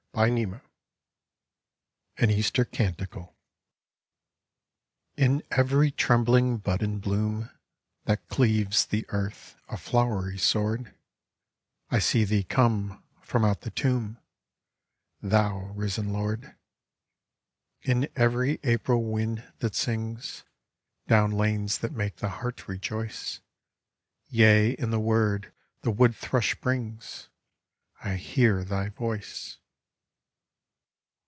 ^^ AN EASTER CANTICLE TN every trembling bud and bloom * That cleaves the earth, a flowery sword, I see Thee come from out the tomb, Thou risen Lord. In every April wind that sings Down lanes that make the heart rejoice; Yea, in the word the wood thrush brings, I hear Thy voice.